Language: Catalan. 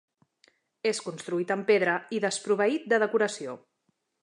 És construït amb pedra i desproveït de decoració.